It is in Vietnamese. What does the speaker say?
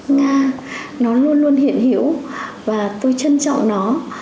nó luôn luôn hiển hiểu và tôi trân trọng nó